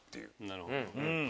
なるほど。